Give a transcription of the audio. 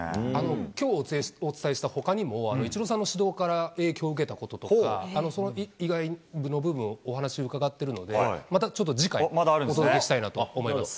きょうお伝えしたほかにも、イチローさんの指導から影響を受けたこととか、それ以外の部分、お話伺ってるので、またちょっと次回、お届けしたいなと思います。